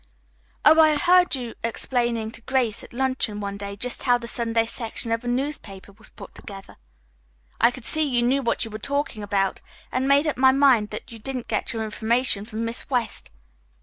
"Oh, I heard you explaining to Grace at luncheon one day just how the Sunday section of a newspaper was put together. I could see you knew what you were talking about, and made up my mind then that you didn't get your information from Miss West.